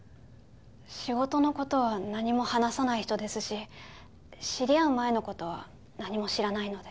仕事の事は何も話さない人ですし知り合う前の事は何も知らないので。